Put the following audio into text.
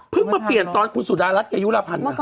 เพิ่งมาเปลี่ยนตอนคุณสุดารัฐกับยุลภัณฑ์